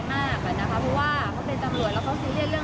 ตอนที่แกรับราชการอยู่ยังไม่ได้เสียนะใครที่มีคดีเรื่องอย่างเศรษฐกิจเนี่ย